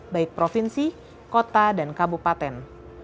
baik provinsi kota dan kabupaten